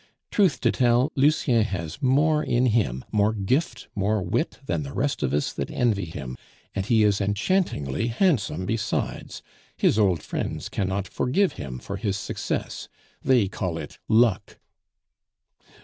Truth to tell, Lucien has more in him, more gift, more wit than the rest of us that envy him, and he is enchantingly handsome besides; his old friends cannot forgive him for his success they call it luck."